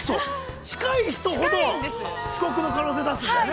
◆近い人ほど遅刻の可能性出すんだよね。